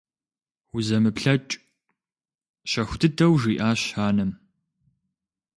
Узэмыплъэкӏ… – щэху дыдэу жиӀащ анэм.